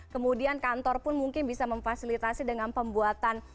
kemudian kantor pun mungkin bisa memfasilitasi dengan pembuatan